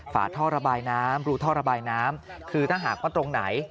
ฝาท่อระบายน้ำรูท่อระบายน้ำคือถ้าหากว่าตรงไหน